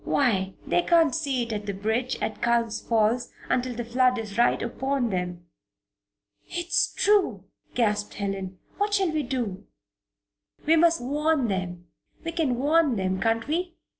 Why, they can't see it at the bridge at Culm Falls until the flood is right upon them." "It's true!" gasped Helen. "What shall we do?" "We must warn them we can warn them, can't we?"